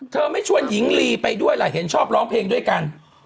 ไม่ชวนหญิงลีไปด้วยล่ะเห็นชอบร้องเพลงด้วยกัน